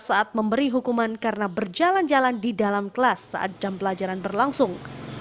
saat memberi hukuman karena berjalan jalan di dalam kelas saat jam pelajaran berlangsung